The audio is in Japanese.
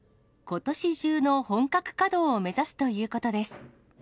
ことし中の本格稼働を目指すということです。